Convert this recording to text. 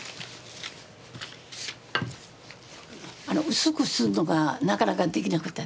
薄くするのがなかなかできなかった。